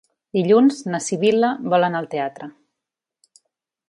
Dilluns na Sibil·la vol anar al teatre.